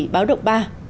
báo động ba